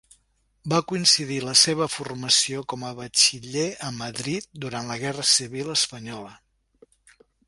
Va coincidir la seva formació com a Batxiller a Madrid durant la Guerra Civil Espanyola.